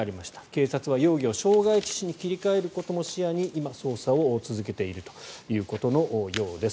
警察は容疑を傷害致死に切り替えることも視野に今、捜査を続けてるということのようです。